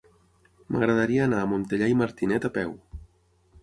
M'agradaria anar a Montellà i Martinet a peu.